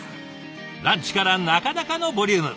ランチからなかなかのボリューム。